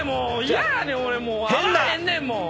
嫌やねん俺。